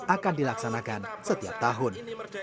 akan dilaksanakan setiap tahun